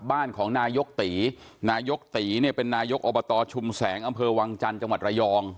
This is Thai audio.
บ้านของนายกตีนายกตีเนี่ยเป็นนายกอบตชุมแสงอำเภอวังจันทร์จังหวัดระยอง